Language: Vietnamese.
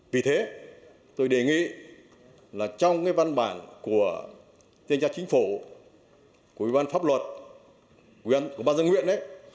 vì thế tôi đề nghị là trong cái văn bản của tên trang chính phủ của văn pháp luật của ban dân nguyện ấy